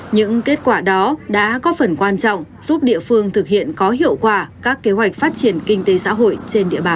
những kết quả đó đã có phần quan trọng giúp địa phương thực hiện có hiệu quả các kế hoạch phát triển kinh tế xã hội trên địa bàn